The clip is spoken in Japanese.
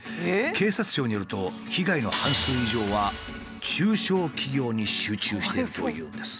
警察庁によると被害の半数以上は中小企業に集中しているというんです。